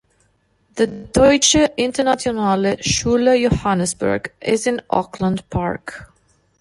The "Deutsche Internationale Schule Johannesburg" is in Auckland Park.